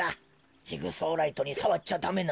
ジグソーライトにさわっちゃダメなのだ。